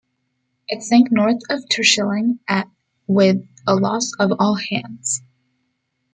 It sank north of Terschelling at with a loss of all hands.